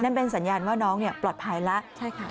นั่นเป็นสัญญาณว่าน้องปลอดภัยแล้ว